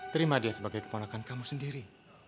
terima dia sebagai keponakan kamu sendiri